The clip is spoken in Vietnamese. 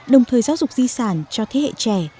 đồng thời giáo dục di sản cho thế hệ trẻ